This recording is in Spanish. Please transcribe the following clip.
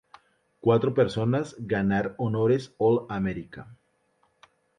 Cuatro personas ganar honores All-America.